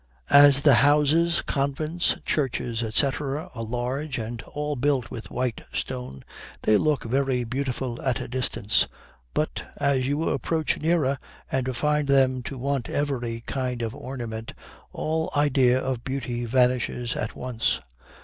As the houses, convents, churches, &c., are large, and all built with white stone, they look very beautiful at a distance; but as you approach nearer, and find them to want every kind of ornament, all idea of beauty vanishes at once.